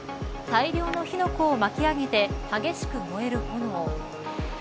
大量の火の粉を巻き上げて激しく燃える炎。